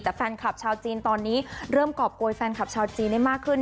แต่แฟนคลับชาวจีนตอนนี้เริ่มกรอบโกยแฟนคลับชาวจีนได้มากขึ้น